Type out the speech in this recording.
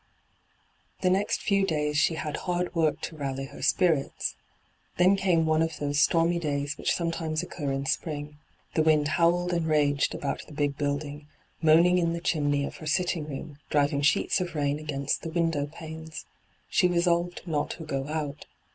The next few days she had hard work to rally her spirits. Then oame one of those stormy days which sometimes occur in spring. The wind howled and raged about the big building, moaning in the chimney of her sitting room, driving sheets of rain against the window panes. She resolved not to go out.